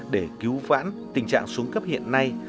để cứu vãn tình trạng xuống cấp hiện nay